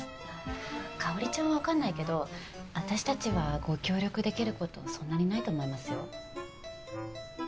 香ちゃんは分かんないけど私たちはご協力できることそんなに無いと思いますよ。